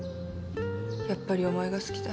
やっぱりお前が好きだ。